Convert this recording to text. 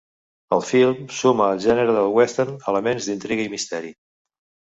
El film suma al gènere del western elements d'intriga i misteri.